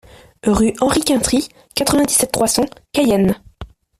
Rue Henri Quintrie, quatre-vingt-dix-sept, trois cents Cayenne